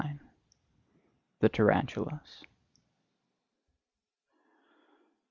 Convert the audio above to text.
XXIX. THE TARANTULAS.